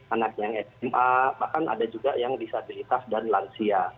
anak yang sma bahkan ada juga yang disabilitas dan lansia